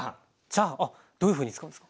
チャーハンどういうふうに使うんですか？